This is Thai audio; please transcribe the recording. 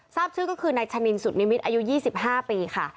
ทราบชื่อก็คือนายชะนินสุดนิมิตรอายุ๒๕ปีค่ะ